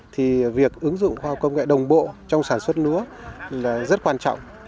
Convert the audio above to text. thì việc ứng dụng khoa học công nghệ đồng bộ trong sản xuất lúa là rất quan trọng